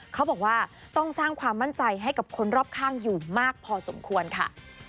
เขาบอกว่าต้องสร้างความมั่นใจให้กับคนรอบข้างอยู่มากพอสมควรค่ะ